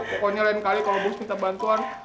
pokoknya lain kali kalau bus minta bantuan